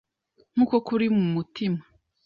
nk’uko kuri mu mutima